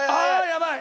やばい！